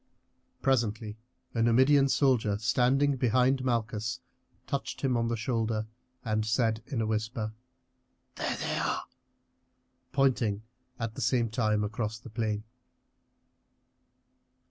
Presently a Numidian soldier standing behind Malchus touched him on the shoulder and said in a whisper: "There they are!" pointing at the same time across the plain.